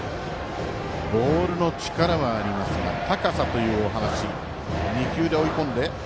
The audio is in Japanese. ボールの力はありますが高さというお話。